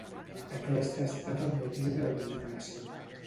Aquest ha estat el motiu de la indignació.